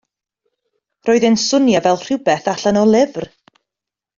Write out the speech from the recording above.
Roedd e'n swnio fel rhywbeth allan o lyfr.